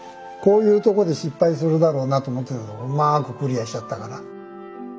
こういうとこで失敗するだろうなと思ってたとこうまくクリアしちゃったから。